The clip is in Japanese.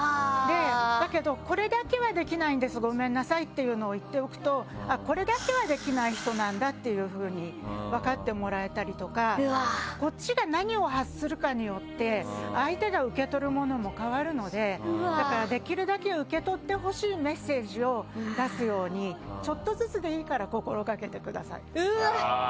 だけどこれだけはできないんですごめんなさいっていうのを言っておくとこれだけはできない人なんだというふうに分かってもらえたりとかこっちが何を発するかによって相手が受け取るものも変わるのでできるだけ受け取ってほしいメッセージを出すようにちょっとずつでいいから心がけてください。